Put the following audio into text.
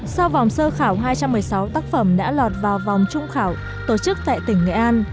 sau vòng sơ khảo hai trăm một mươi sáu tác phẩm đã lọt vào vòng trung khảo tổ chức tại tỉnh nghệ an